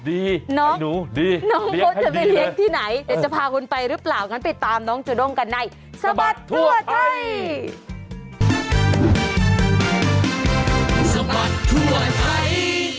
น้องเขาจะไปเลี้ยงที่ไหนเดี๋ยวจะพาคุณไปหรือเปล่างั้นไปตามน้องจูด้งกันในสบัดทั่วไทย